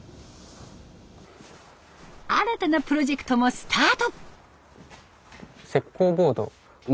新たなプロジェクトもスタート。